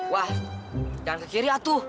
wah jangan ke kiri atu